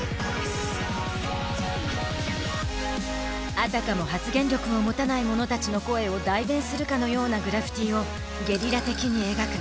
あたかも発言力を持たない者たちの声を代弁するかのようなグラフィティをゲリラ的に描く。